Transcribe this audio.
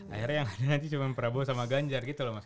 akhirnya yang ada nanti cuma prabowo sama ganjar gitu loh mas